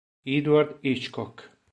Edward Hitchcock